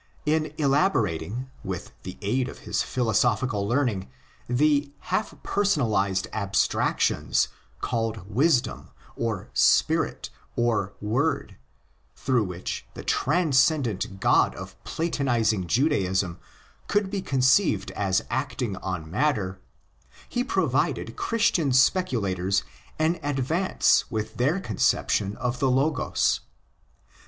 In elaborating with the aid of his philosophical learning the half personalised abstractions, called Wisdom, or Spirit, or Word, through which the transcendent God of Platonising Judaism could be conceived as acting on matter, he provided Christian speculators in advance with their conception of the Logos.